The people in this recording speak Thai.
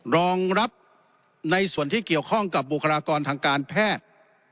รองรับในส่วนที่เกี่ยวข้องกับบุคลากรทางการแพทย์